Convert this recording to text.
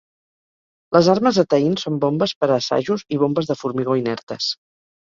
Les armes a Tain són bombes per a assajos i bombes de formigó inertes.